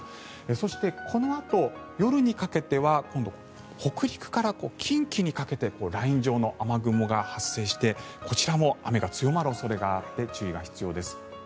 そして、このあと夜にかけては今度は北陸から近畿にかけてライン状の雨雲、発生してこちらも雨が強まる恐れがあって注意が必要です。